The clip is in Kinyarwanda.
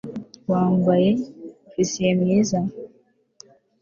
wambaye, ofisiye mwiza